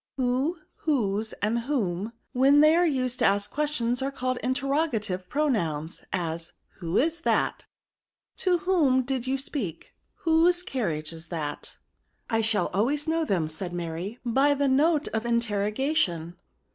Who, whose, and whom, when they are used to ask questions, are cal* led interrogative pronouns ; as. Who is that ? To whom did you speak ? Whose carnage is that r ^' I shall always know them," said Mary, " by the note of interrogation."